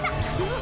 ん